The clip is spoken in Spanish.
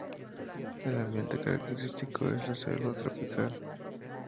El ambiente característico es la selva tropical.